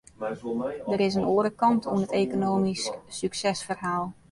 Der is in oare kant oan it ekonomysk suksesferhaal.